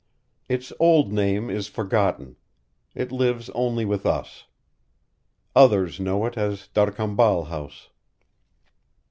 Its old name is forgotten. It lives only with us. Others know it as D'Arcambal House."